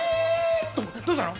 どうしたの？